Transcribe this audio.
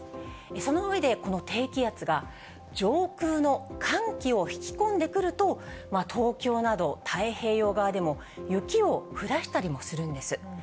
その上で、この低気圧が上空の寒気を引き込んでくると、東京など太平洋側でも雪を降らしたりもするんです。